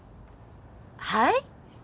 はい？